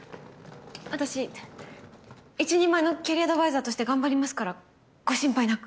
私一人前のキャリアアドバイザーとして頑張りますからご心配なく。